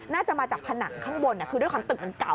น่าจะมาจากผนังข้างบนคือด้วยความตึกมันเก่า